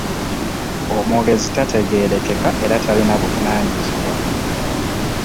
Omwogezi tategeerekeka era talina buvunaanyizibwa.